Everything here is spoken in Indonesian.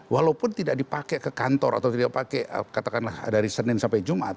walaupun tidak dipakai ke kantor atau tidak pakai katakanlah dari senin sampai jumat